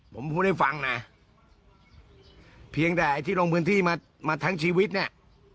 ผมพูดให้ฟังนะเพียงแต่ไอ้ที่ลงพื้นที่มามาทั้งชีวิตเนี่ย